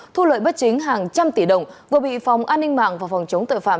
thu lợi bất chính hàng trăm tỷ đồng vừa bị phòng an ninh mạng và phòng chống tội phạm